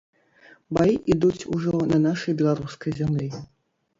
Баі ідуць ужо на нашай беларускай зямлі.